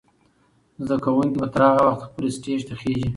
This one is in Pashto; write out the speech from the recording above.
زده کوونکې به تر هغه وخته پورې سټیج ته خیژي.